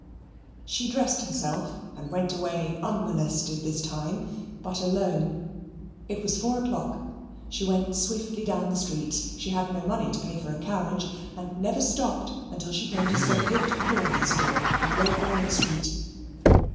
She dressed herself and went away unmolested this time, but alone. It was four o'clock. She went swiftly down the streets (she had no money to pay for a carriage), and never stopped until she came to Sir Pitt Crawley's door, in Great Gaunt Street.